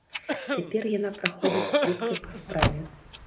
Цяпер яна праходзіць сведкай па справе.